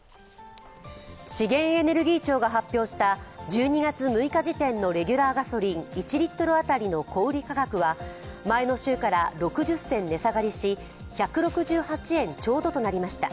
資源エネルギー庁が発表した１２月６日時点のレギュラーガソリン１リットル当たりの小売価格は前の週から６０銭値下がりし１６８円ちょうどとなりました。